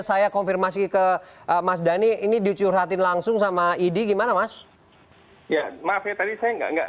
saya konfirmasi ke mas dhani ini dicurhatin langsung sama idi gimana mas ya maaf ya tadi saya enggak enggak